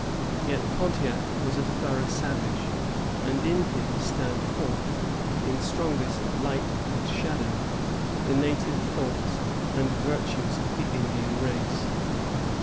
Yet Pontiac was a thorough savage, and in him stand forth, in strongest light and shadow, the native faults and virtues of the Indian race.